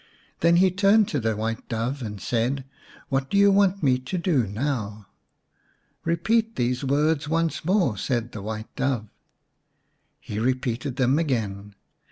Then he turned to the White Dove and said, " What do you want me to do now ?"" Eepeat these words once more," said the White Dove. He repeated them again.